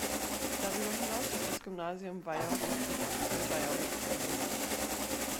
Darüber hinaus ist das Gymnasium Weierhof im Ortsteil Weierhof ansässig.